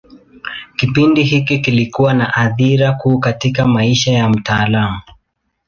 Kipindi hiki kilikuwa na athira kuu katika maisha ya mtaalamu.